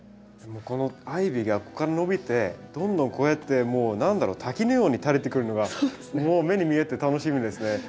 このアイビーがここから伸びてどんどんこうやってもう何だろう滝のように垂れてくるのがもう目に見えて楽しみですね。